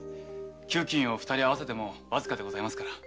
給金を二人合わせてもわずかでございますから。